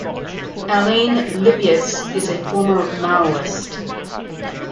Alain Lipietz is a former Maoist.